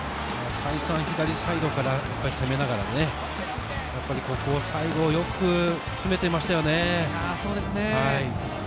再三、左サイドから攻めながらね、最後、よく詰めていましたよね。